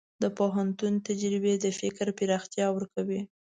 د پوهنتون تجربې د فکر پراختیا ورکوي.